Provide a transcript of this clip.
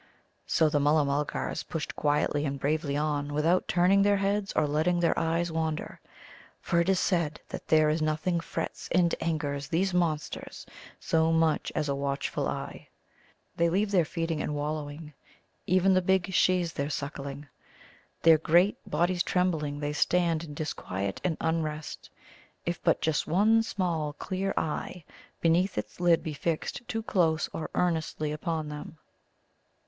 So the Mulla mulgars pushed quietly and bravely on, without turning their heads or letting their eyes wander. For it is said that there is nothing frets and angers these monsters so much as a watchful eye. They leave their feeding and wallowing, even the big Shes their suckling. Their great bodies trembling, they stand in disquiet and unrest if but just one small clear eye beneath its lid be fixed too close or earnestly upon them.